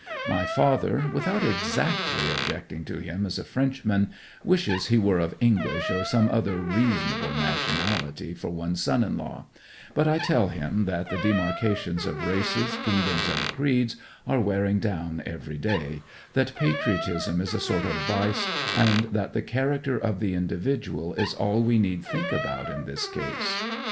My father, without exactly objecting to him as a Frenchman, 'wishes he were of English or some other reasonable nationality for one's son in law,' but I tell him that the demarcations of races, kingdoms, and creeds, are wearing down every day, that patriotism is a sort of vice, and that the character of the individual is all we need think about in this case.